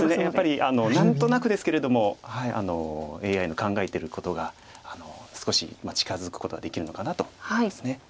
やっぱり何となくですけれどもＡＩの考えてることが少し近づくことができるのかなと思います。